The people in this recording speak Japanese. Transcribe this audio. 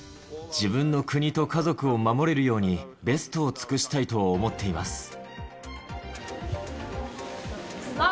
自分の国と家族を守れるように、ベストを尽くしたいと思っています。